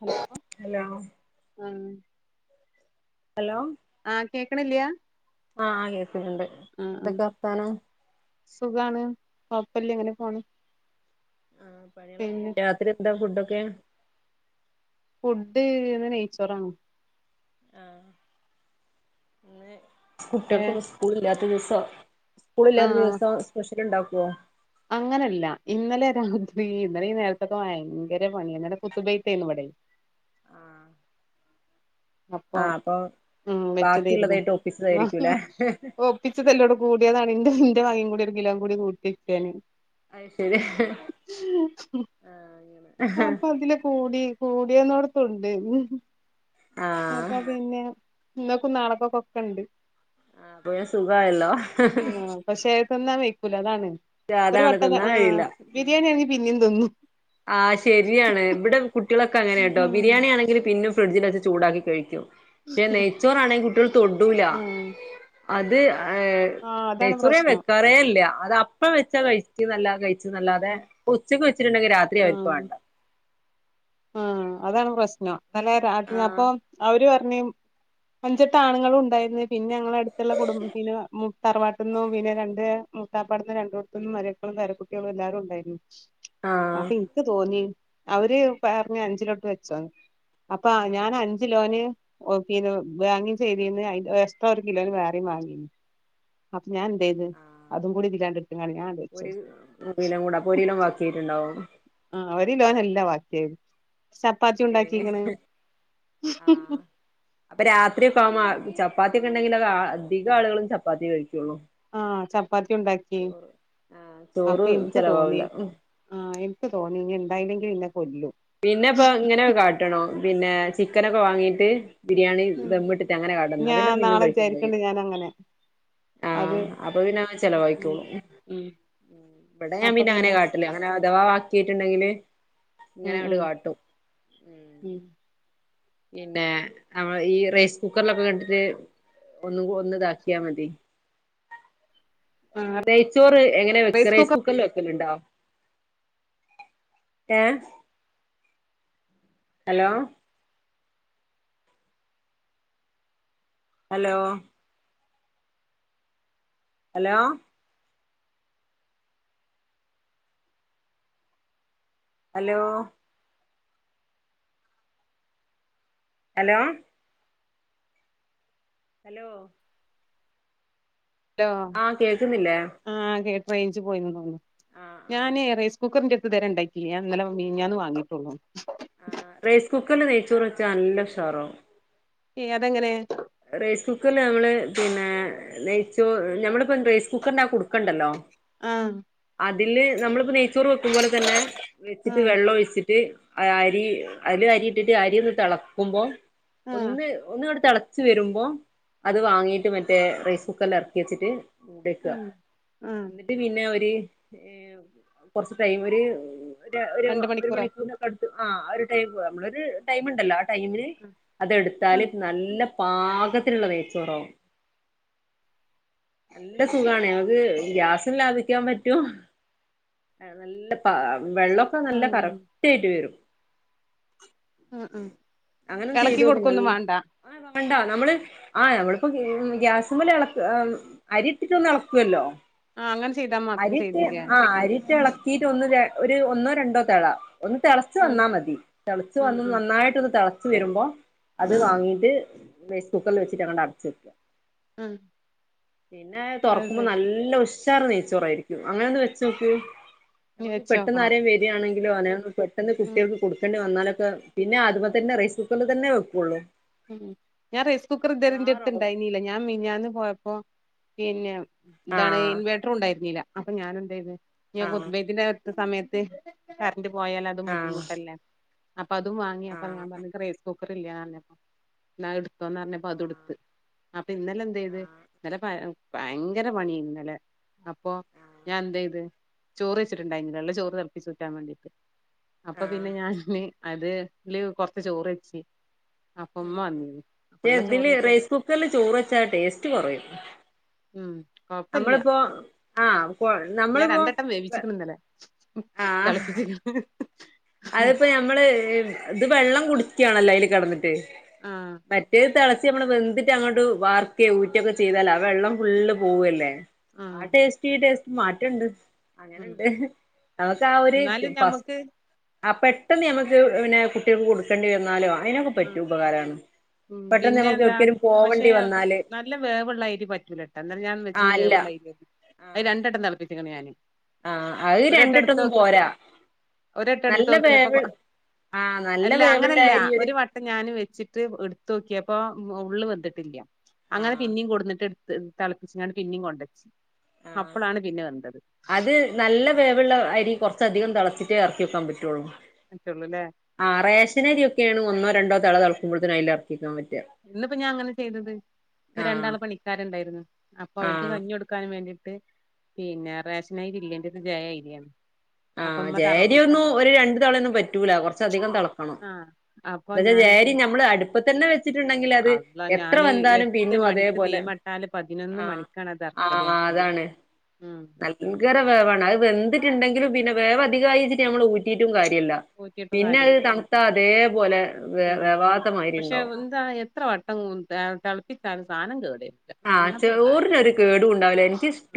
Hello hello ആ hello ആ കേക്കണില്യ? ആ കേ ണ്ട് എന്തൊക്കെ വർത്താനം? സുഖാണ് കൊപ്പല്ലൃ ഇങ്ങനെ പോണ് ആ പണികളൊക്കെ പിന്നെ കഴിഞ്ഞോ രാത്രി എന്താ ഫുഡ് ക്കെ ഫുഡ് ഇന്ന് നെയ്ച്ചോറാണ് ആ [unintelligible] കുട്ടികൾക്ക് ഇന്ന് സ്കൂൾ ഇല്ലാത്ത ദിവസം ട്ട് സ്കൂളില്ലാത്ത ആഹ് ദിവസം സ്പഷ്യ ല് ണ്ടാക്കുവോ അങ്ങനല്ല ഇന്നലെ രാത്രി ഇന്നലെ നേരത്തൊക്കെ ഭയങ്കര പണിയന്നടെ ഖുത്തൂബെയ്ത്താര്ന്ന് ഇബടെ ആഹ് അപ്പൊ ഉം വെച്ചതാര്ന്ന് ബാക്കിയുള്ളതായിട്ട് വാഹ് ഒപ്പിച്ചതായിരിക്കൂല്ലേ ഒപ്പിച്ചതല്ലോടെ കൂടിയതാണ് എന്റെ ന്റ് വായ് കൂടി ഒരു കിലോ കൂടി കൂട്ടിക്കാണ് അത് ശരി ആഹ് അങ്ങനെ അപ്പൊ അതില കോടി കോ [unintelligible] ആഹ് അപ്പൊ പിന്നെ [unintelligible] കോകക്ക് ഇണ്ട് ആ പോയി സുഖായല്ലോ ന്നാ വെക്കൂല അതാണ് ഒരു അതാണ് വട്ടന ആ ബിരിയാണി ആണേ പിന്നെയും തിന്നു ആ ശരിയാണ് ഇവിടെ കൂ കുട്ടികളക്കെങ്ങനെണ്ടോ ബിരിയാണി ആണേങ്കിൽ പിന്നും ഫ്രഡ്ജിനെച്ച് ചൂടാക്കി കഴിക്കും പക്ഷെ നെയ്ച്ചോറാണെങ്കിൽ കുട്ടികൾ തൊടൂല ആ അത് ഏഹ് ആ നെയ് അതാണ് ചോറ് പ്രശ്നം വെക്കാറേല്ല അത് അപ്പ വെച്ചാ കഴികും [unintelligible] അല്ലാതെ ഉച്ചക്ക് വച്ചിണ്ടെങ്കിൽ രാത് [unintelligible] വേണ്ട ആഹ് അതാണ് പ്രശ്നം ഇന്നലെ രാത്രി ആഹ് അപ്പൊ അവര് അഞ്ചെട്ട് ആണുങ്ങളും ഉണ്ടായിരുന്നു പിന്നെ ഞങ്ങള അടുത്തുള്ള കുടുംബം പിന്നെ തറവാട്ടി നിന്നും പിന്നെ രണ്ട് മുത്താപ്പാട്ന്നും രണ്ട കടത്തന്നും മരുക്കളും പേരക്കുട്ടികളും എല്ലാവാരും ഉണ്ടായിരുന്നു ആഹ് അപ്പൊ ഇനിക്ക് തോന്നി അവര് പറഞ്ഞു അഞ്ചിലോട്ട് വെച്ചോന്ന് അപ്പൊ ആഹ് ഞാൻ അഞ്ചിലോന് ബാങ്കിങ് ചെയ്തിന്ന് എക്സ്ട്രാ ഒരു കിലോന് വേറെ വാങ്ങിന്ന് ഞാൻ എന്താ ചെയ്തു ആഹ് അതും കൂടി ഇല്ലാണ്ട് എടുത്ത ക ഞാൻ ഒരു വച്ചടുത്ത് കിലോ കൂടെ അപ്പൊ ഒരു കിലോ ബാക്കിയായിട്ടുണ്ടാവും അവര് ലോന്ന എല്ലാ ബാക്കിയ ചപ്പാത്തി ഏഹ് ഉണ്ടാക്കിക്കണ് രാത്രി കാമ ചപ്പാത്തിയ ഒക്കെ ഉണ്ടെങ്കിൽ അ അധിക ആളുകളും ചപ്പാത്തി കഴിക്കും ആഹ് ചപ്പാത്തി ഉണ്ടാക്കി ചോറ് ആഹ് ചോറ് അപ്പൊ എനിക്ക് തോന്നി ചെലവാവൂല ആഹ് എനിക്ക് തോന്നി ഇനി എന്തായാലും ഇല്ല പിന്നെപ്പ ഇങ്ങനെ കാട്ടണോ, പിന്നേ ചിക്കനൊക്കെ വാങ്ങീട്ട്, ബിരിയാണി ദം ഇട്ടിട്ട് അങ്ങനെ കാട്ട ഇന്നാ ഞാൻ പിന്നെ [unintelligible] നാളെ കഴിക്കും ചെയ്യും. വിചാരിക്ക്ണ്ട് ഞാനങ്ങനെ ആ അത് അപ്പ പിന്നെ ചെലവായിക്കോളും ഉം ഇബടെ ഞാൻ പിന്നെ അങ്ങനെ കാട്ടല് അങ്ങനെ അഥവാ വാക്കിയായിട്ട്ണ്ടെങ്കില്, ഉം ഇങ്ങനാട് ഉം കാട്ടും ഉം. പിന്നെ നമ്മള് ഈ റൈസ് കുക്കറിലൊക്കെ കണ്ടിട്ട് ഒന്ന് ഒന്ന് ഇതാക്കിയാ മതി ആഹ് നെയ്ച്ചോറ് എങ്ങനെ റൈസ് വെക്ക്‌നെ കുക്കർല്ലോ കുക്കറില് വെ വെക്കല്ണ്ടോ ഏ hello hello hello hello hello hello ആ കേൾക്ക്ന്നില്ലേ റെയിഞ്ച് പോയിണ്ന്ന് തോന്നുന്നു ഞാനേ റൈസ് കുക്കറിന്റെട് ഇത് വരെ ഇണ്ടാക്കില്ല ഞാ ഇന്നലെ മിനിഞ്ഞാന്ന് വാങ്ങീട്ടൊള്ളൂ ആ റൈസ് കുക്കർല് നെയ്ച്ചോറ് വെച്ചാ നല്ല ഉഷാറവും ഏ അതെങ്ങനെ റൈസ് കുക്കറിൽ നമ്മള് പിന്നെ നെയ്ച്ചോ ഞമ്മളിപ്പം റൈസ് കുക്കറിന്റെ ആ കുട്ക്കണ്ടല്ലോ ആഹ് അതില് നമ്മളിപ്പോ നെയ്ച്ചോറ് വെക്കും പോലെ തന്നെ വെച്ചിട്ട് ആഹ് വെള്ളം ഒഴിച്ചിട്ട് അരി അയ്ല് അരി ഇട്ടിട്ട് അരി ഒന്ന് തെളക്കുമ്പോ ആഹ് ഒന്ന് ഒന്ന്ങ്ങട്ട് തെള ളച്ച് വെരുമ്പോ അത് വാങ്ങീയിട്ട് മറ്റേ റൈസ് കുക്കറിൽ എറ്ക്കി വെച്ചിട്ട് മൂട്യെക്ക ആഹ് ആഹ് ന്നിട്ട് പിന്നെ ഒര് ഏ കൊറച്ച് ടൈമ് ഒര് ഒര ഒര് രണ്ട് ഒരു മണിക്കൂറാ മണിക്കൂറിനടു ആ ഒരു ടൈം നമ്മളൊര് ടൈംമ്ണ്ടല്ലോ ടൈമില് ആഹ് അതെടുത്താല് ആഹ് നല്ല പാകത്തിന്ള്ള നെയ്ച്ചോറാവും നല്ല സുഖണേ അത് ഗ്യാസും ലാഭിക്കാൻ പറ്റും നല്ല പ വെള്ളക്കെ നല്ല കറക്റ്റ് ആയിട്ട് വരും ഉം ഉം എളക്കി കൊടുക്കൊന്നും മാണ്ട മാണ്ട നമ്മള് ആ നമ്മളിപ്പോ ഗ്യാസ്മല് എളക അരിട്ടിട്ടൊന്ന് എളക്കു അല്ലോ ആ അങ്ങനെ ചെയ്താ മാത്രം അരിട്ട് ചെയ്തില്ലേ ആ അരിട്ട് എള വറ്റീട് ഒന്ന് ര ഒര് ഒന്നോ രണ്ടോ തള ഒന്ന് തെളച്ച് ആ വന്നാ മതി തെളച്ച് ആ വന്നു ആ നന്നായിട്ടാെന്ന് തെള ളച്ച് വെരുമ്പോ അത് ആ വാങ്ങീട്ട് റൈസ് കുക്കറ്ൽ വെച്ചിട്ടങ്ങട്ടടച്ചെക്ക ഉം പിന്നെ തൊറക്കുമ്പോ നല്ല ഒര് സ് ഉഷാറ് നെയ്ച്ചോറായിയിരിക്കും അങ്ങനെ ഒന്ന് വെച്ച് നോക്ക് ഇനി നമുക്ക് പെട്ടെന്ന് വെച്ചോക്കണം ആരെയും വെര്കയാണെങ്കിൽ- ക്ക്ലോനാ പെട്ടെന്ന് ഉം കുട്ട്യൾക്ക് കൊടുക്കെണ്ടി വന്നാലൊ ആ [unintelligible] പിന്നെ അതുപോല തന്നെ റൈസും നിങ്ങള് തന്നേ വെക്കുള്ളൂ ഉം ഞാൻ റൈസ് കുക്കർ ഉഷാറാവും ഇതെരെന്റെട്ത്ത്ണ്ടായിനീല ഞാൻ മിഞ്ഞാന്ന് പോയപ്പോ പിന്നെ ഇതാണ് ആഹ് ഇൻവേർട്ടറും ഉണ്ടായിരുന്നില്ല അപ്പൊ ഞാനെന്തെയ്‌തു ഞ്ഞിയാ ആഹ് കുത്ബൈതിന്റെ സമയത്ത് കർ ന്റ് പോയാലും അതും ആഹ് ബുദ്ധിമുട്ടല്ലേ പ്പ അതും വാങ്ങിയപ്പ ഞാൻ ആഹ് പറഞ്ഞു ക്ക് റൈസ്കുക്കും കറില്ല്യാറഞ്ഞപ്പോ നാ അത്‌ട് തോന്നറഞ്ഞപ്പോ ആഹ് അതുടുത്ത് അപ്പൊ ഇന്നലെ എന്തെയ്ത് ആഹ് ഇന്നലെ പയ ഭയങ്കര പണിയേന്നലെ അപ്പൊ ഞാൻ ന്തെയ്ത് ചോറ് വെച്ചിട്ടുണ്ടായിന്നില്ല ള്ള ചോറ് തിളപ്പിച്ചുറ്റാൻ മേണ്ടീട്ട് അപ്പൊ പിന്നെ ആഹ് ഞാൻന്ന് അത് ല്ല് കൊറച്ച് ചോറ് വെച്ച് അപ്പ ഉമ്മ ഉം വന്നിരുന്നു അപ്പള്ള അതില് ചോറേറ്റ് റൈസ് കുക്കറില് ചോറ് വെച്ചാ ടേസ്റ്റ് കൊറയും ഉം കൊഴപ്പല്ല്യ നമ്മളിപ്പോ ആഹ് കൊ ഞാൻ നമ്മളിപ്പോ രണ്ടട്ടം വേവിച്ചിക്ക്ണ് ഇന്നലേ ആഹ് തിളപ്പിച്ചേക്ക്ണ് അതിപ്പോ ഞമ്മള് ഏഹ് ഇത് വെള്ളം തുടിക്കാണല്ലേ അതില് കെടന്നിട്ട് ആഹ് മറ്റേ തെള ത്തിമ്മള് വെന്തിട്ട് അങ്ങോട്ട് വർക്കേ ഊറ്റുവൊക്കെ ചെയ്താല് ആ വെള്ളം ഫുള്ള് പോവല്ലേ ആഹ് ടേസ്റ്റി ഈ ടേസ്റ്റ് മാറ്റണ്ട് ഉം അങ്ങനണ്ട് നമക്ക് ആ ഒരു എന്നാലും പസ് ഞമ്മക്ക് ആ പെട്ടെന്ന് ഞമ്മക്ക് പിന്നെ കുട്ടികൾക്ക് കൊടുക്കേണ്ടി വന്നാലോ അയിനൊക്കെ ഉം പറ്റിയ ഉപകാരാണ് ഉം പെട്ടെന്ന് പിന്നെ നമുക്ക് എന്താ എവിടേക്കേലും പക്ഷെ പോവണ്ടി വന്നാല് നല്ല വേവള്ള അരി പറ്റൂലട്ട ഇന്നലെ വെച്ച ആഹ് അല്ല വേവുള്ള അയ്രി അഹ് രണ്ടട്ടം തെളപ്പിച്ചിക്കണ് ഞാന് ആ അഹ് ഒരട്ടം എടുത്തോ രണ്ടെട്ടൊന്നും പോരാ ഒരട്ടം നല്ല എടുത്തോക്കിയപ്പൊ വേവിൾ ആ നല്ല അല്ല അങ്ങനല്ല വേവിള്ളരി ഒരു വട്ടം ഞാന് വെച്ചിട്ട് ഇടു തോക്കിയപ്പോ ഉള്ള് വെന്തിട്ടില്ല്യ അങ്ങനെ ആഹ് പിന്നിം കൊട്‌ന്നിട്ട തെളപ്പിച്ച്ങ്ങാണ്ട് പിന്നിം കൊണ്ടച് ആ അത് നല്ല വേവുള്ള അരി കുറച്ചധികം തിളച്ച ന്നുട്ടർക്ക്യക്കാൻ പറ്റുള്ളൂ പറ്റുള്ളൂല്ലേ ആ റേഷനരിയൊക്കെയാണ് ഒന്നോ രണ്ടോ തെള തെളക്കുമ്പഴ്ത്തേന അയിലാക്കിക്കോ ഇന്നിപ്പം ഞാൻ അങ്ങനെ ചെയ്തത് ഇന്ന് ആഹ് രണ്ടാള് പണിക്കാരുണ്ടായിരുന്നു അപ്പൊ അവര്ക്ക് ആഹ് കഞ്ഞി കൊടുക്കാന് വേണ്ടിട്ട് ട്ട് പിന്നെ റേഷനരി ഇല്ലേന്നിട്ട് ജയേ അയ്രിയാണ് ആ ജയയ്രി ഒന്നും ഒരു രണ്ടു തെളയൊന്നും പറ്റൂല കുറച്ചധികം തെളക്കണം ആഹ് അപ്പൊ എന്നുവച്ചാ ഞാൻ എന്ത് ജയേരി ചെയ്തു നമ്മള് അടുപ്പത്തന്ന വെച്ചിട്ട് ണ്ടെങ്കിൽ അത് അള്ളാ എത്ര ഞാന് വെന്താലും എട്ട് പിന്നും മണിക്ക് അതേപോലെ തീമട്ടാല് പതിനൊന്ന് ആ മണിക്കാണ് അത് അറക്കല് ആതാണ് ഉം [unintelligible] [unintelligible] ങ്കര വേവാണ് അത് വെന്തിട്ടിന്തെങ്കിലും പിന്നെ വേവധികമായിച്ചിട്ട് നമ്മള് ഊറ്റീട്ടും കാര്യ ത്തില്ല ഊറ്റിയിട്ടും പിന്നെ അത് കാര്യല്ല തണുത്താ അതേപോലെ വേ പിന്നെ വേവാത്ത മാതിരി പക്ഷെ ഉണ്ടാവും എന്താ എത്ര വട്ടം തെ തെള് കിട്ടാലും സാനംകേട ആഹ് ചോറിനൊരു കേടും ഉണ്ടാവില്ല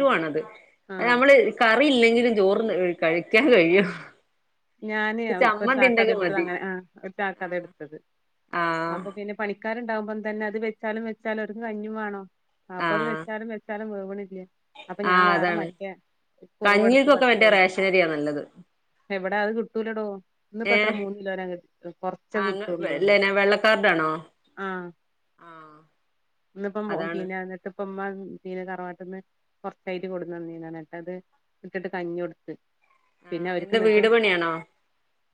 ആഹ് ആഹ് നമ്മള് കറിയില്ലെങ്കിലും ചോറു കഴിക്കാൻ ആഹ് കയ്യും ഞാന് അപ്പൊ [unintelligible] ഒരു ചാക്ക അതെടുത്തത് അങ്ങനെ ആ ഒരു ചാക്ക അതെടുത്തത് ആ അപ്പൊ പിന്നെ പണിക്കാരുണ്ടാവുമ്പം തന്നെ അത് വെച്ചാലും വെച്ചാലും അവർക്ക് കഞ്ഞി വാണം ആ അപ്പൊ അത് വെച്ചാലും വെച്ചാലും വേ പോണില്യേ? ആ അതാണ്. കുറവെടുത്ത് കഞ്ഞീൽക്കൊക്കെ മറ്റേ റേഷനര്യാ നല്ലത്. ടാ അത് കിട്ടൂലടോ ഇന്നിപ്പോ ഏ എത്ര മൂന്ന് കിലോനാ കിട്ടു. കൊറച്ചാ ആ കിട്ടുള്ളൂ. ലെന വെള്ളക്കാർഡാണോ ആ ആ ഇന്നിപ്പം അതാണ് പിന്നെ എന്നിട്ടിപ്പുമ്മ ഉം പിന്നെ തറവാട്ടിന്ന് കൊറച്ചായിട്ട് കൊടുന്നന്നീനാണ്. എന്നിട്ടത് ഇട്ടിട്ട് കഞ്ഞി കൊടുത്ത്. ആ പിന്നെ അവര്ക്ക് എന്താ ഇന്ന വീട് പണിയാണോ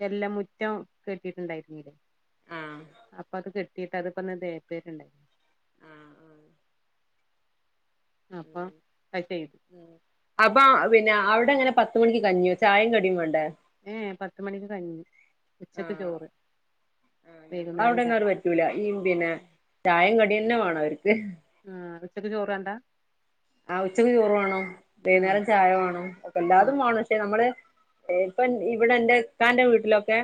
എല്ലാ മുറ്റം കിട്ടീട്ടുണ്ടായിരുന്നീല്ല? ആ അപ്പ അത് കെട്ട് [unintelligible] ആ ആ അപ്പൊ ഉം അത് ചെയ്തു ഉം. അപ്പ പിന്നെ അവിടെങ്ങനെ? പത്ത് മണിക്ക് കഞ്ഞിയോ? ചായും കടിം വേണ്ടേ? ഏ പത്ത് മണിക്ക് കഞ്ഞി ആ ഉച്ചക്ക് ചോറ് ആ ഞങ്ങട വൈകുന്നേരം അവടൊന്നും ചായ അത് പറ്റൂല. ഈയിം പിന്നെ ചായേം കടീംന്നെ വേണം. അവര്ക്ക് ആ ഉച്ചക്ക് ചോറ് വേണ്ടാ? ആ ഉച്ചക്ക് ചോറ് വേണം. ആ വൈന്നേരം ചായ വേണം. ആ എല്ലാതും വേണം പക്ഷെ നമ്മള് ഏപ്പം ഇവിടെ എൻ്റെ ഇത്താൻ്റെ വീട്ടിലൊക്കെ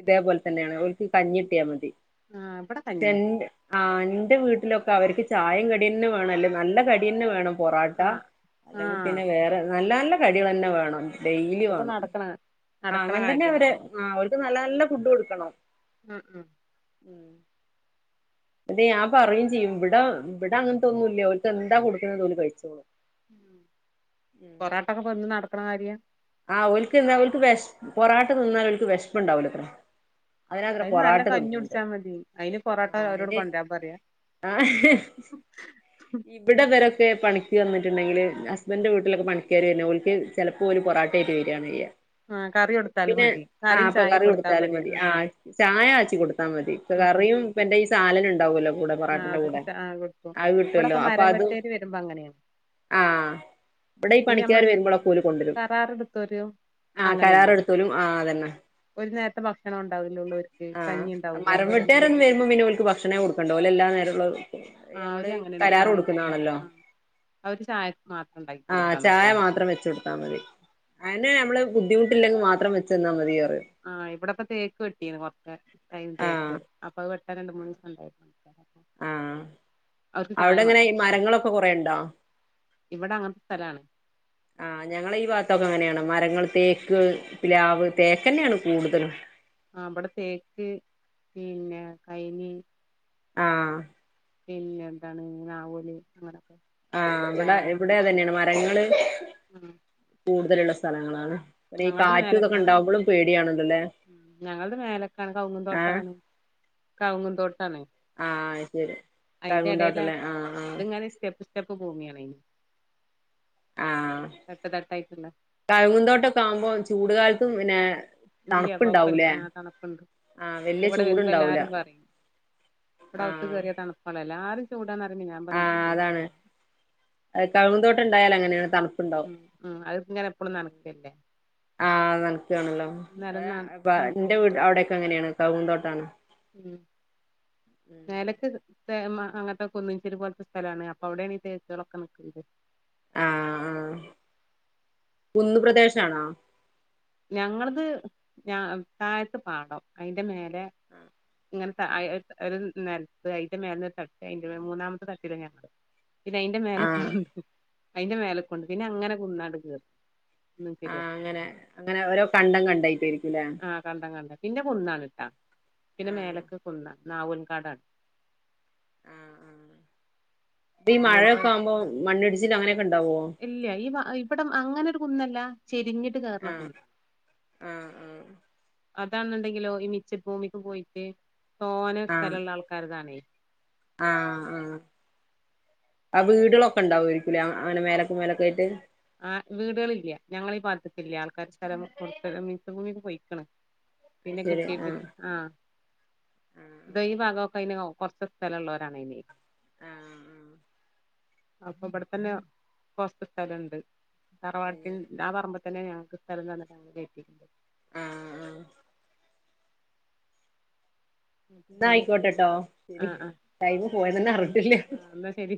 ഇതേപോലെ തന്നെയാണ് ഓൽ കഞ്ഞിട്ട്യ മതി ആ ഇവിടെ കഞ്ഞിയാണ് സെന്ന് ആണ് ഇന്റെ വീട്ടിലൊക്കെ അവര്ക്ക് ചായേം കട്യന്നെ വേണം. അല്ല നല്ലം കട്യന്നെ വേണം. പൊറാട്ട ആ ആ അല്ലെങ്കി പിന്നെ വേറെ നല്ല നല്ല കടി തന്നെ വേണം. അതിപ്പോ നടക്കണ നടക്കണ കാര്യല്ല ഉം ഉം [unintelligible] ദ് ഞാൻ പറയും ചിയ്യും ഇബ്ടെ ഇബടെ അങ്ങത്തൊന്നൂല. ഓര്ക്ക് എന്താ കൊടുക്കണത് അതോര് കഴിച്ചോളും. ഉം പൊറാട്ടൊക്കെ എന്നും നടക് ആര്? ആ ഓൾക്ക് എന്താക്ക് ആ ഓല്ക്ക് [unintelligible] വെശ് പൊറാട്ട തിന്നാൽ ഓല്ക്ക് വെശപ്പ്ണ്ടാവില്ലത്രേ. അയിന് നല്ല കഞ്ഞി കുടിച്ചാ മതി. അയിന് ആ പൊറോട്ട അവരോട് അയിന് കൊണ്ട്രാൻ പറയാ. ആ ക്കെ പണിക്ക് വന്നിട്ടുണ്ടെങ്കില് ഹസ്ബൻ്റിൻ്റെ വീട്ടിലൊക്കെ പണിക്ക് വരേരുന്നു. ഓല്ക്ക് ചെലപ്പോ ഓര് പൊറാട് [unintelligible] ആ കറി കൊടുത്താലും പിന്നെ മതി ആ കറിയും അപ്പോ ചായയും കറി കൊടുത്താൽ കൊടുത്താലും മതി. ഉം ആ ആ ചായ കാച്ചി കൊടുത്താ മതി. ഇപ്പ ഉം കറിയും [unintelligible] സാലനം [unintelligible] ഉണ്ടാവ്വല്ലോ കൂടെ ആഹ് പൊറാട്ടന്റെ അതൊക്കെ കൂടെ ചാ കൊടുക്കും അഹ് കിട്ടൊല്ലൊ ഇവിടൊക്കെ മരം അപ്പതും വെട്ടേര് വരുമ്പോ അങ്ങനെയാണ് ആഹ് ഇബടെ പിന്നെ പണിക്കാര് നമ്മള് വരുമ്പളൊക്കെ ഓല് കൊണ്ട് രും കരാറെടുത്തോര് ആഹ് അങ്ങനെ ചെയ്യും കരാറെടുത്തൊലും ആ അതന്നെ ഒരു നേരത്തെ ഭക്ഷണം ഉണ്ടാവും ആഹ് മരം വിട്ടുകാരൊന്നന്ന് വരുമ്പോ മന്നെോക്ക് ഭക്ഷണേ കൊടുക്കണ്ടല എല്ല നേര ആഹ് നമ്മള് അവര് അങ്ങനെയാണ് കരാർ ചായ കൊടുക്കുന്നാണല്ലോ ആഹ് അവര് ചായ മാത്രം ഉണ്ടാക്കി ആഹ കൊടുത്താ ചായ മതിയായിരുന്നു മാത്രം വെച്ച കൊടുത്താ ഉം മതി അതിനെ നമ്മള് ബുദ്ധിമുട്ടില്ലെങ്കിൽ മാത്രം വെു തന്നാ മതിയോ ആഹ് ഇവിടെപ്പൊ തേക്ക് കെട്ടീന്ന് കൊ ടൈം ആഹ് തക്ക അപ്പൊ അത് ഇ രണ്ട് മൂന്ന് ദിവസം ഉണ്ടായി മതി അവിടെങ്ങനെഈ മരങ്ങളൊക്കെ കുറെുണ്ടോ ഇവിടെ അങ്ങനത്തെ സ്ഥലാണ് ആഹ് ഞങ്ങള ഈ ഭാഗത്തൊക്കെ എങ്ങനെയാണ് മരങ്ങൾ തേക്ക് പി ലാവ് തേക്ക് തന്നെയാണ് കൂടുതൽ ആ അവിടെ തേക്ക് പിന്നെ കൈനി ആഹ എല്ല എന്താണ് രാവുല് അങ്ങനൊക്കെ ആഹ ഇവിടെ പ്ലാവും ഇവിടെ മൂച്ചിയും തന്നെയാണ് അതൊക്കെ മരങ്ങള് തന്നെ കൂടുതലുള്ള സ്ഥലങ്ങളാണ് പിന്നെ ഈ ഞങ്ങളുടെ കാറ്റും ഇതൊക്കെ മേലക്കാണ് ഉണ്ടാവുമ്പോഴും പേടിയാണല്ലോല്ലേ ഞങ്ങളുടെ മേലക്കാണ് ആഹ് കൗങ്ങന്തോട്ടാണ് കൗങ്ങുംന്തോട്ടാണ് ആഹ് ശരി അതിന്റെ ഇടയില കഴുകുന്തോട്ടല്ലേ ആഹ് ആഹ് ഇത്ങ്ങനെ ഇഷ്ട പ്പ പോങ്ങിയണന് ആഹ് തട്ട തട്ടായിട്ടണ്ട ആകുമ്പോം ചൂട കാലത്തും പിന്നെ ഇല്ല കൊഴപ്പില്ല തണുപ്പുണ്ടാവൂലേ ആ തണുപ്പുണ്ട് ആഹ് വല്യ ഇവിടെ വരുമ്പോ ചൂടുണ്ടാവൂല എല്ലാരും പറയും ഇവിടെ അത്ത് കേയറിയ തണുപ്പാല്ല എല്ലാരും ചൂട ആഹ അതാണ് കഴുന്തോട്ട ഇണ്ടായാല അങ്ങനെയാണ് തണുപ്പുണ്ടാവും ഉം ഉം അത് ഇങ്ങനെ എപ്പളും നനക്കല്ലേ ആ തണുക്കയാണല്ലോ നെലം നന എന്റെീട് തണുത്തെടുക്കല്ലേ അവിടെൊക്കെ എങ്ങനെയാണ് കൗന്തോട്ടാണ് ഉം നലക്ക് ത അങ്ങനത്തെ കുന്നിചേരി പോലത്തെ സ്ഥലമാണ് അപ്പൊ അവിടെയാണ് ഈ തേച്ചുകളൊക്കെ നിൽക്കുന്നത് ആഹ ആഹ കന്ന് പ്രദേശണാ ഞങ്ങളത് ഞാ താഴത്ത് പാടോ അതിന്റെ മേലെ ഉം ഇങ്ങനെ ഒരു നരത്ത് അതിന്റെ മേല തട്ടി അതി മൂന്നാമത്തെ തട്ടില്ല ഞങ്ങൾ ഇത് അതിൻന്റെ മലെ ആഹ് കടു അതിന്റെ മേലെക്ക കൊണ്ട് പിന്നെ അങ്ങനെ നിന്നങ് [unintelligible] ആ അങ്ങനെ അങ്ങനെ ഓരോ കണ്ടം കണ്ടായിട്ടായിരിക്കും ആഹ് കണ്ട കണ്ട പിന്നെ കുന്നാണ് ആ പിന്നെ ആഹ് മേലൊക്കെ കുന്ന നാവുന് കാടാണ് ആ ആ അപ്പ ഈ മഴയൊക്കെ നാവൂൽപ്പാട ആവുമ്പോ മണ്ണിടിച്ചിൽ അങ്ങനെ ഇല്ല ഈ ഇവിടെ അങ്ങനെരു കുന്നല്ല ചെരിഞ്ഞിട്ട് കേറുന്ന ആഹ് കുന്നാ ആഹ് ആഹ് അതാണുണ്ടെങ്കിലോ ഈ മിച്ച ഭൂമിക്ക് പോയിട്ട് തോന സ്ഥലമുള്ള ആൾക്കാർതാണേ ആ ആഹ് ആ വീടുകളൊക്കെ ഉണ്ടാവുരിക്കൂല അങ്ങനെ മേലക്ക് മേലക്ക് ആയിട്ട് ആ വീടുകളില്ല ഞങ്ങൾ ഈ ഭാഗത്തക്കില്ല ആൾക്കാാര് സ്ഥലം കൊട്ത്ത് മീച്ചഭൂമിക്ക് പോയിക്കണ് അത് പിന്നെ ശരി കിട്ടീട്ട ആഹ് ആ ദ ഈ ആഹ് ഭാഗം ഓക്കേ [unintelligible] കുറച്ച സ്ഥല ഉള്ളവരാണ് ഇനി ആഹ് ആ അപ്പൊ ഇവിടെ തന്നെ കോർച് സ്ഥലണ്ട് തറവാടി [unintelligible] തന്ന ഞങ്ങക്ക് സ്ഥലം [unintelligible] ആഹ് ആഹ് എന്ന പിന്നെ ആയിക്കോട്ടെട്ടോ ശരി ആഹ് ആഹ് ടൈമ പോയന്നന്നെ അറിഞ്ഞില്ല ആഹ് എന്നാ ശരി